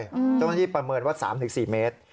เจ้าหน้าที่ประเมินว่า๓๔เมตร